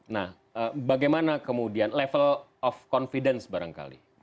nah bagaimana kemudian level of confidence barangkali